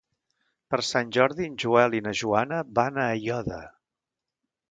Per Sant Jordi en Joel i na Joana van a Aiòder.